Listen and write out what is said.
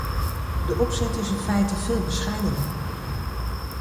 De opzet is in feite veel bescheidener.